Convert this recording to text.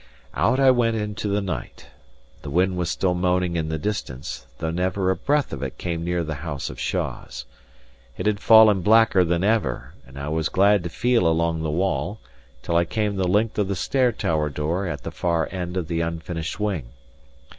Out I went into the night. The wind was still moaning in the distance, though never a breath of it came near the house of Shaws. It had fallen blacker than ever; and I was glad to feel along the wall, till I came the length of the stairtower door at the far end of the unfinished wing.